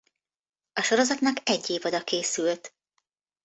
A sorozatnak egy évada készült.